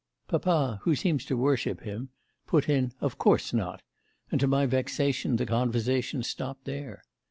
'Papa, who seems to worship him, put in "of course not"; and to my vexation the conversation stopped there.